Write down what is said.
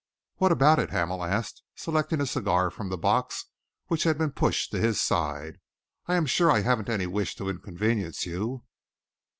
"What about it?" Hamel asked, selecting a cigar from the box which had been pushed to his side. "I am sure I haven't any wish to inconvenience you."